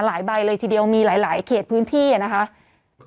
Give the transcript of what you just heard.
ใบเลยทีเดียวมีหลายเขตพื้นที่นะคะ